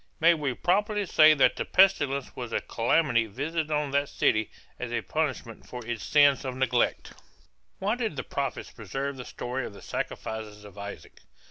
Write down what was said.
May we properly say that the pestilence was a calamity visited on that city as a punishment for its sin of neglect? Why did the prophets preserve the story of the sacrifices of Isaac?